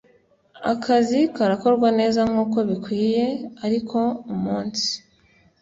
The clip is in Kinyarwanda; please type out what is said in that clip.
akazi karakorwa neza nkuko bikwiye ariko umunsi